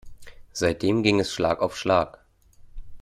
Seitdem ging es Schlag auf Schlag.